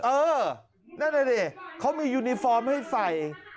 เออนั่นแหละดิเขามียูนิฟอร์มให้ใส่